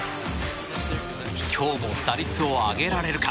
今日も打率を上げられるか。